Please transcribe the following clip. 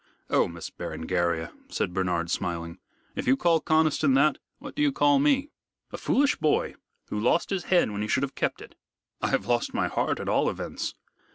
"Oh, Miss Berengaria," said Bernard, smiling, "if you call Conniston that, what do you call me?" "A foolish boy, who lost his head when he should have kept it." "I lost my heart, at all events!"